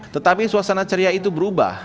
tetapi suasana ceria itu berubah